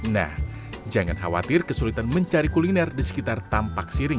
nah jangan khawatir kesulitan mencari kuliner di sekitar tampak siring